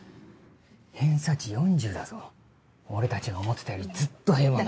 偏差値４０だぞ俺たちが思ってたよりずっと平凡だ。